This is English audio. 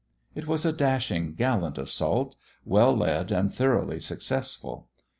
It was a dashing, gallant assault, well led and thoroughly successful.